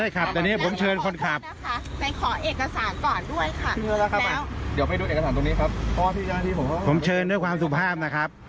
คุณฟังก่อนได้ไหมคะ